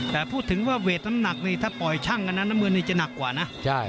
แต่พูดถึงว่าเวทน้ำหนักนี่ถ้าปล่อยช่างกันนะน้ำเงินนี่จะหนักกว่านะ